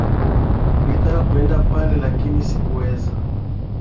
Nilitaka kuenda pale, lakini sikuweza.